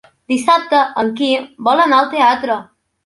Dissabte en Quim vol anar al teatre.